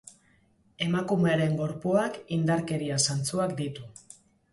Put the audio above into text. Emakumearen gorpuak indarkeria zantzuak ditu.